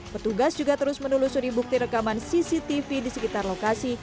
petugas juga terus menelusuri bukti rekaman cctv di sekitar lokasi